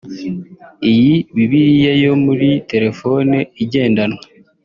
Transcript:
Iyi Bibiliya yo muri telefone igendanwa